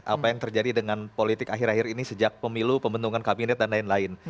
apa yang terjadi dengan politik akhir akhir ini sejak pemilu pembentukan kabinet dan lain lain